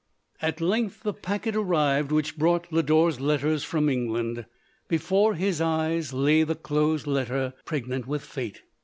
At length the packet arrived which brought Lodore letters from England. Before his eyes lav the closed letter pregnant with fate.